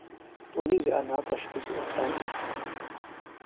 ТӀури зы ӀэнатӀэщ дызыӀутар.